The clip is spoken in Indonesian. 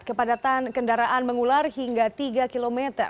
kepadatan kendaraan mengular hingga tiga km